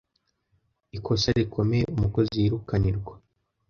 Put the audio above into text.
ikosa rikomeye umukozi yirukanirwa